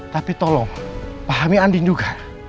tapi tolong pahami andin juga